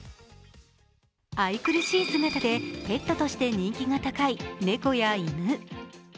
愛くるしい姿でペットとして人気が高い猫や犬。